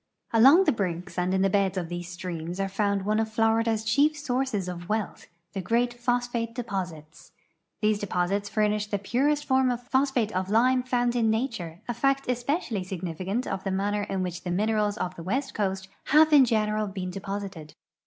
Along the brinks and in the beds of these streams are found one of Florida's chief sources of wealth, the great phosphate de j)Osits. These dejiosits furnish the purest form of phosphate of lime found in nature, a fact especially significant of the manner in which the minerals of the west coast have in general been de posited.